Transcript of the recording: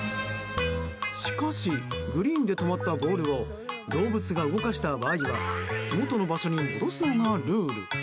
しかし、グリーンで止まったボールを動物が動かした場合は元の場所に戻すのがルール。